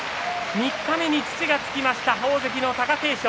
三日目に土がつきました大関貴景勝。